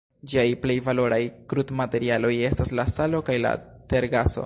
Ĝiaj plej valoraj krudmaterialoj estas la salo kaj la tergaso.